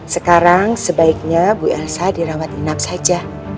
sekarang sebaiknya bu elsa dirawat inap saja